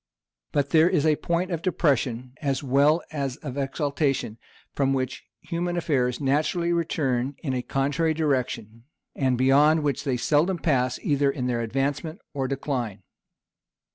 But there is a point of depression, as well as of exaltation, from which human affairs naturally return in a contrary direction, and beyond which they seldom pass either in their advancement or decline.